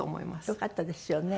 よかったですよね。